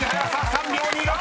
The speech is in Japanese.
３秒２６！］